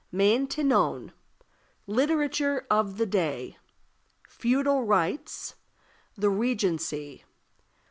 Maintenon. Literature of the Day. Feudal Rights. The Regency.